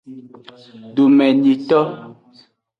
Domenyito.